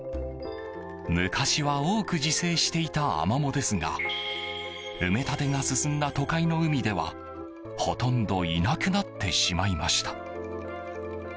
昔は多く自生していたアマモですが埋め立てが進んだ都会の海ではほとんどいなくなってしまいました。